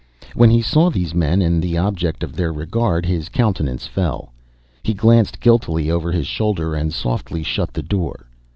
When he saw these men and the object of their regard, his countenance fell. He glanced guiltily over his shoulder, and softly shut the door.